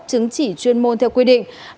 chứng chỉ chuyên môn theo quy định